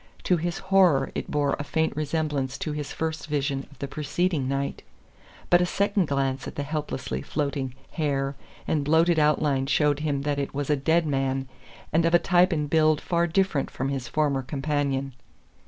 To his horror it bore a faint resemblance to his first vision of the preceding night. But a second glance at the helplessly floating hair and bloated outline showed him that it was a DEAD man, and of a type and build far different from his former companion.